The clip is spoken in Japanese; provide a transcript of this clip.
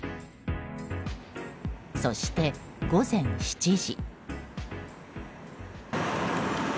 そして午前７時。